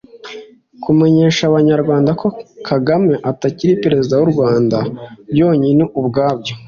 Kumenyesha abanyarwanda ko Kagame atakiri President w’u Rwanda byonyine ubwabyo